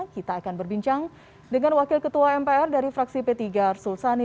kita akan berbincang dengan wakil ketua mpr dari fraksi p tiga arsul sani